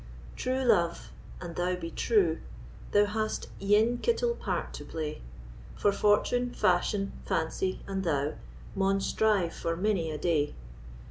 True love, an thou be true, Thou has ane kittle part to play; For fortune, fashion, fancy, and thou, Maun strive for many a day.